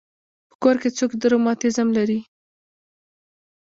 په کور کې څوک رماتیزم لري.